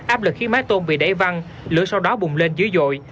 áp lực khiến mái tôm bị đẩy văng lửa sau đó bùng lên dưới dội